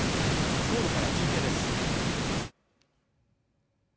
ソウルから中継です。